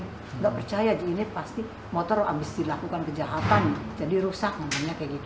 nggak percaya ini pasti motor abis dilakukan kejahatan jadi rusak